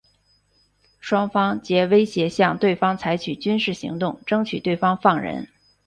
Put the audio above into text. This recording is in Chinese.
双方皆威胁向对方采取军事行动争取对方放人。